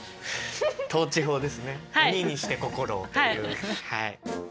「鬼にして心を」というはい。